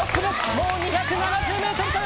もう２７０ｍ。